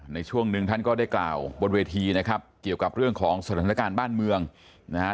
ในช่วงหนึ่งท่านก็ได้กล่าวบนเวทีนะครับเกี่ยวกับเรื่องของสถานการณ์บ้านเมืองนะฮะ